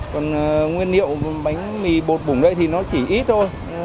còn nguyên liệu bánh mì bột bủng thì nó chỉ ít thôi